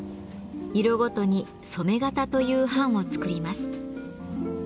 色ごとに染め型という版を作ります。